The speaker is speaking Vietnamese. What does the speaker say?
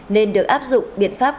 nên được áp dụng biện pháp